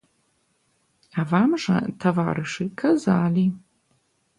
А вам жа, таварышы, казалі.